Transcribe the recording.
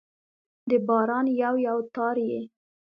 د باران یو، یو تار يې